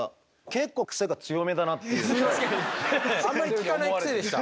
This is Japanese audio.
結構あんまり聞かないクセでした。